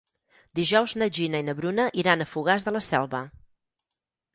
Dijous na Gina i na Bruna iran a Fogars de la Selva.